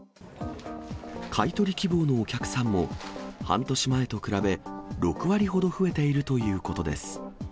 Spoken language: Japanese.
買い取り希望のお客さんも、半年前と比べ、６割ほど増えているということです。